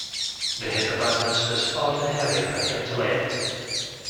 The hippopotamus was far too heavy for him to lift.